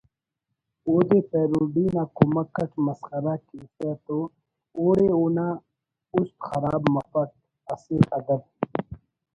اودے پیروڈی نا کمک اٹ مسخرہ کیسہ تو اوڑے اونا اُست خراب مفک اسہ ادب